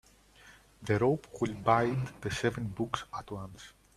The rope will bind the seven books at once.